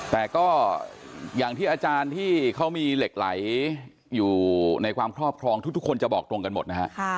แต่ก็อย่างที่อาจารย์ที่เขามีเหล็กไหลอยู่ในความครอบครองทุกคนจะบอกตรงกันหมดนะฮะ